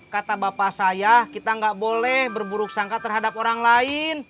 kata bapak saya kita nggak boleh berburuk sangka terhadap orang lain